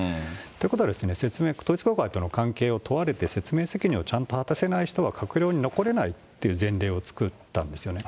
ということは、統一教会との関係を問われて、説明責任をちゃんと果たせない人は閣僚に残れないという前例を作ったんですよね。